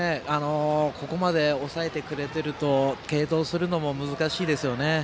ここまで抑えてくれていると継投するのも難しいですよね。